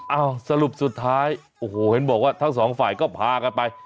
สรุปสุดท้ายโอ้โหเห็นบอกว่าทั้งสองฝ่ายก็พากันไป